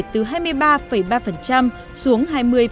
từ hai mươi ba ba xuống hai mươi sáu